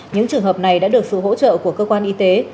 những trường hợp này đã được sự hỗ trợ của cơ quan y tế